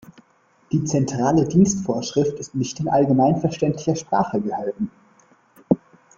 Die Zentrale Dienstvorschrift ist nicht in allgemeinverständlicher Sprache gehalten.